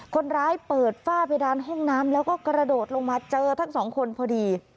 คนร้ายเปิดฝ้าเพดานห้องน้ำแล้วก็กระโดดลงมาเจอทั้งสองคนพอดี